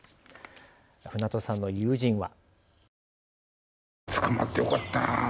船戸さんの友人は。